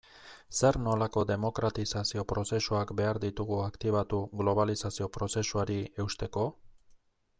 Zer nolako demokratizazio prozesuak behar ditugu aktibatu globalizazio prozesuari eusteko?